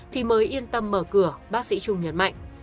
thì mới yên tâm mở cửa bác sĩ trung nhấn mạnh